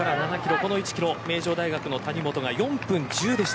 この１キロは名城大学の谷本が４分１０でした。